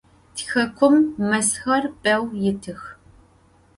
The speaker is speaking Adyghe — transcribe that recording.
Tixekum mezxer beu yitıx.